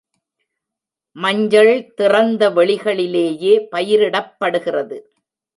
மஞ்சள் திறந்த வெளிகளிலேயே பயிரிடப்படுகிறது.